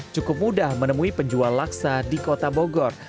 cukup mudah menemui penjual laksa di kota bogor